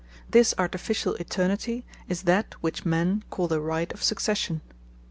This Artificiall Eternity, is that which men call the Right of Succession.